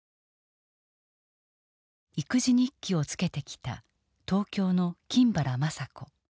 育児日記をつけてきた東京の金原まさ子。